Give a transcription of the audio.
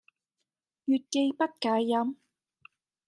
月既不解飲，